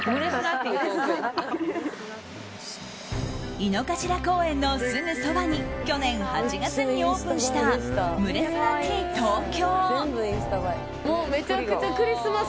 井の頭公園のすぐそばに去年８月にオープンしたムレスナティー東京。